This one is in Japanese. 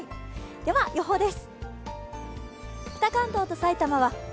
では予報です。